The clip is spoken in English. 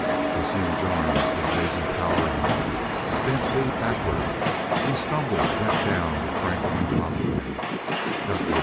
His huge arms, with amazing power in them, bent Lee backward. He stumbled, went down with Franklin on him. "Got you!